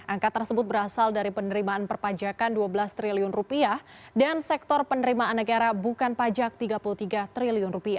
angka tersebut berasal dari penerimaan perpajakan rp dua belas triliun dan sektor penerimaan negara bukan pajak rp tiga puluh tiga triliun